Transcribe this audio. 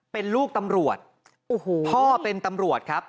เป็นลูกตำรวจโอ้โหพ่อเป็นตำรวจครับ